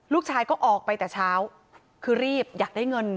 ลูกชายก็ออกไปแต่เช้าคือรีบอยากได้เงิน